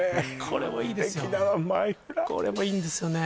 これもいいんですよね